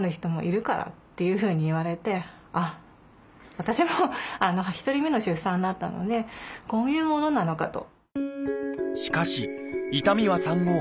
私も１人目の出産だったのでこういうものなのかと。